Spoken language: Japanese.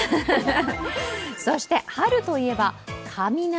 そして春といえば雷。